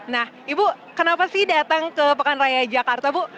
nah ibu kenapa sih datang ke pekan raya jakarta bu